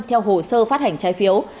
theo hồ sơ phát hành trái phiếu